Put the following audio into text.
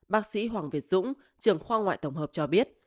bác sĩ hoàng việt dũng trường khoa ngoại tổng hợp cho biết